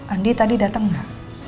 andi tadi dateng gak